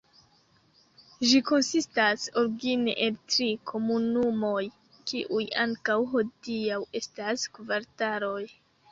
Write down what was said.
Ĝi konsistas origine el tri komunumoj, kiuj ankaŭ hodiaŭ estas kvartaloj.